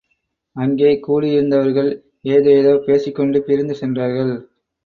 அங்கே கூடியிருந்தவர்கள் ஏதேதோ பேசிக் கொண்டு பிரிந்து சென்றார்கள்.